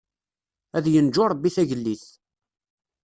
Ad yenǧu Rebbi tagellidt.